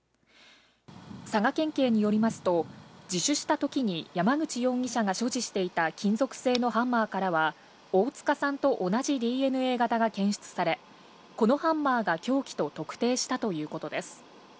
佐賀県警によりますと、自首したときに山口容疑者が所持していた金属製のハンマーからは、大塚さんと同じＤＮＡ型が検出され、このハンマーが凶器と特定したということです。